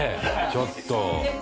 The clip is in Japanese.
ちょっと。